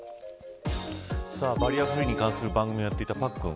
バリアフリーに関する番組をやっていたパックン